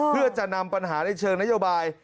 เพื่อจะนำปัญหาในเชิงนโยบาย